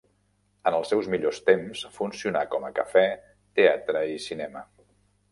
En els seus millors temps funcionà com a cafè, teatre i cinema.